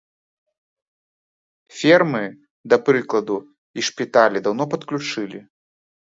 Фермы, да прыкладу, і шпіталі даўно падключылі.